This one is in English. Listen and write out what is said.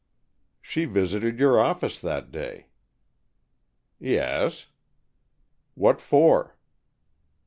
"She visited your office that day." "Yes." "What for?"